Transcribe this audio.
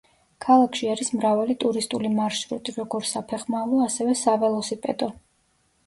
ქალაქში არის მრავალი ტურისტული მარშრუტი, როგორ საფეხმავლო, ასევე საველოსიპედო.